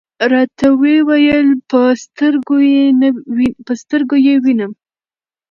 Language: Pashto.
راته وې ویل: په سترګو یې وینم .